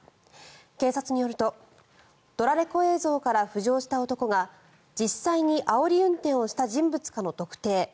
警察によるとドラレコ映像から浮上した男が実際にあおり運転をした人物かの特定